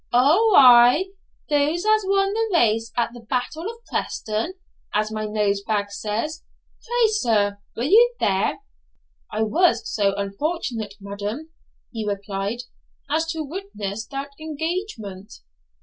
'O aye, those as won the race at the battle of Preston, as my Nosebag says. Pray, sir, were you there?' 'I was so unfortunate, madam,' he replied, 'as to witness that engagement.'